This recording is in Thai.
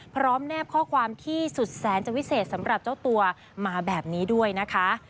แนบข้อความที่สุดแสนจะวิเศษสำหรับเจ้าตัวมาแบบนี้ด้วยนะคะ